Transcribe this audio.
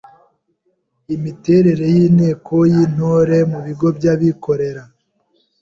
Imiterere y’Inteko y’Intore mu bigo by’abikorera